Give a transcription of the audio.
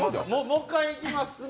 もう一回いきます。